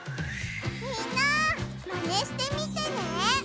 みんなまねしてみてね！